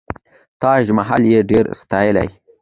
تاج محل یې ډېر ستایلی.